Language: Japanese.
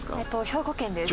兵庫県。